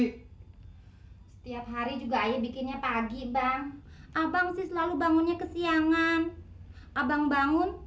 hai setiap hari juga ya bikinnya pagi bang abang selalu bangunnya kesiangan abang bangun